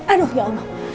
aduh ya allah